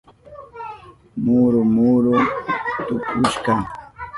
Muru muru tukushka.